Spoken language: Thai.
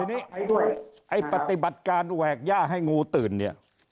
ทีนี้ไอ้ปฏิบัติการแหวกย่าให้งูตื่นเนี่ย